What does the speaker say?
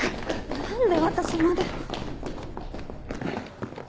何で私まで。